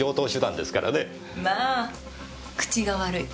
まあ口が悪い。